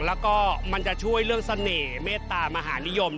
แล้วก็มันจะช่วยเรื่องเสน่ห์เมตตามหานิยม